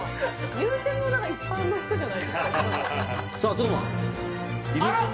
言うても何か一般の人じゃないですかあっ！